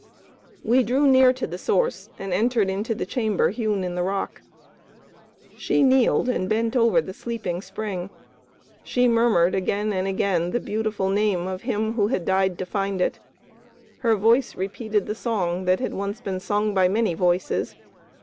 We drew near to the Source, and entered into the chamber hewn in the rock. She kneeled and bent over the sleeping spring. She murmured again and again the beautiful name of him who had died to find it. Her voice repeated the song that had once been sung by many voices.